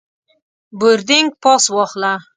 بوردینګ پاس واخله.